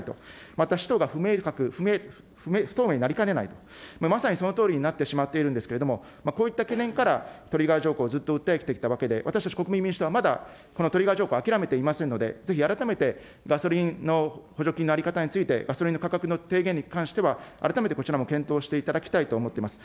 また使途が不明確、不透明になりかねない、まさにそのとおりになってしまっているんですけれども、こういった懸念から、トリガー条項をずっと訴えてきたわけで、私たち国民民主党は、まだこのトリガー条項、諦めていませんので、ぜひ改めてガソリンの補助金の在り方についてガソリンの価格の提言に関しては、改めてこちらも検討していただきたいと思っています。